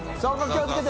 気をつけて。